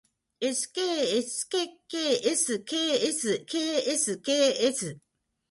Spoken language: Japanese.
skskksksksks